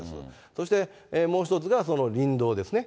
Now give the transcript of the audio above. そして、もう一つが林道ですね。